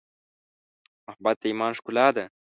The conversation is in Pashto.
محبت د ایمان ښکلا ده.